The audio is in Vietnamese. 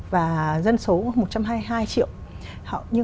và dân số một trăm hai mươi hai triệu